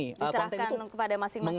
diserahkan kepada masing masing